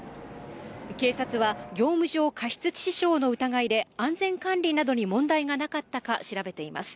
警察は、業務上過失致死傷の疑いで安全管理などに問題がなかったか調べています。